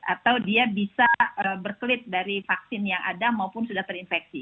atau dia bisa berkelit dari vaksin yang ada maupun sudah terinfeksi